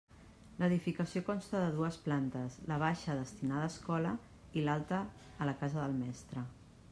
L'edificació consta de dues plantes, la baixa destinada a escola i l'alta a la casa del mestre.